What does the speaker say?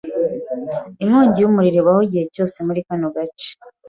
Inkongi y'umuriro ibaho igihe cyose muri kano gace.